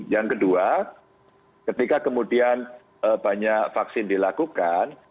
yang kedua ketika kemudian banyak vaksin dilakukan